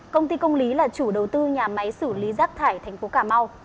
công ty công lý là chủ đầu tư nhà máy xử lý rác thải thành phố cà mau